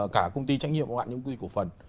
cả công ty trách nhiệm hoặc là công ty cổ phần